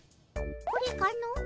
これかの？